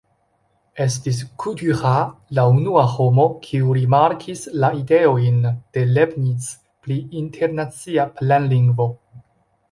Estis Couturat la unua homo, kiu rimarkis la ideojn de Leibniz pri internacia planlingvo.